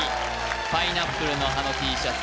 パイナップルの葉のＴシャツ